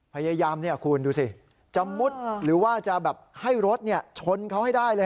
พยายามคุณดูสิจะมุดหรือว่าจะแบบให้รถชนเขาให้ได้เลย